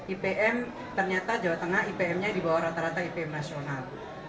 ipm ternyata jawa tengah ipm nya di bawah rata rata ipm nasional